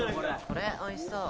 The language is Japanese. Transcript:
これ美味しそう。